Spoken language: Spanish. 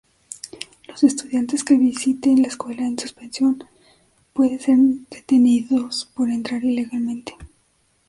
Los estudiantes que visiten la escuela en suspensión, puede ser detenidos por entrar ilegalmente.